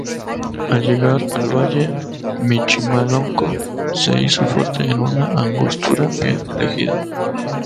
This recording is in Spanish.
Al llegar al valle, Michimalonco se hizo fuerte en una angostura bien elegida.